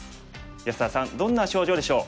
安田さんどんな症状でしょう。